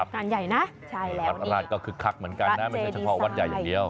ทรัมนาฬาลาฯก็คือขรักเหมือนกันน่ะไม่ใช่เฉพาะขวาดใหญ่อย่างเดียว